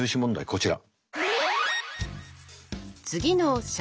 こちら。